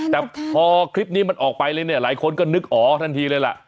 แต่พอคลิปนี้มันออกไปเลยเนี่ยหลายคนก็นึกอ๋อทันทีเลยล่ะ